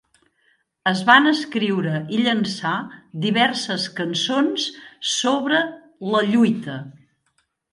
Es van escriure i llançar diverses cançons sobre la lluita.